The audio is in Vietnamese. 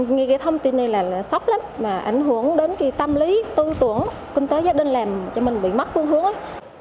nghe cái thông tin này là sốc lắm mà ảnh hưởng đến cái tâm lý tư tưởng kinh tế gia đình làm cho mình bị mắc phương hướng